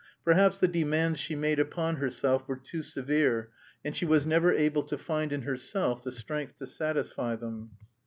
Perhaps the demands she made upon herself were too severe, and she was never able to find in herself the strength to satisfy them.